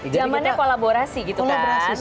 jamannya kolaborasi gitu kan